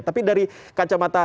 tapi dari kacamata